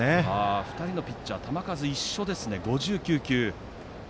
２人のピッチャー球数一緒で５９球。